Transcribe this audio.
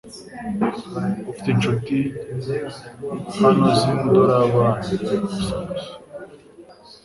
Ufite inshuti hanozindobanure gusa gusa